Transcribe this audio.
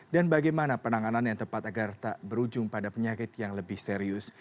dan bagaimana penanganan yang tepat agar tak berujung pada penyakit yang lebih serius